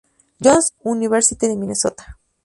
John's University de Minnesota.